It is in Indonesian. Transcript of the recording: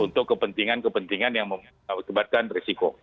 untuk kepentingan kepentingan yang membuatkan risiko